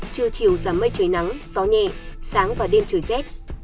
trưa chiều giảm mây trời nắng gió nhẹ sáng và đêm trời rét